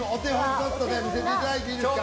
見せていただいていいですか？